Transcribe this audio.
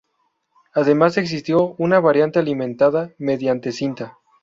Además existió una variante alimentada mediante cinta.